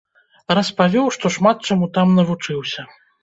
Распавёў, што шмат чаму там навучыўся.